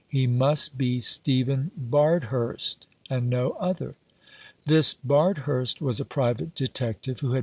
He must be Stephen Bardhurst, and no other. This Bardhurst was a private detective who had 3ii Rough Justice.